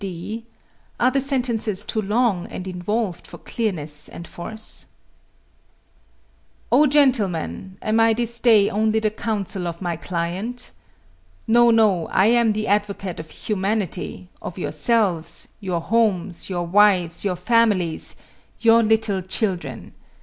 (d) Are the sentences too long and involved for clearness and force? Oh, gentlemen, am I this day only the counsel of my client? No, no; I am the advocate of humanity of yourselves your homes your wives your families your little children.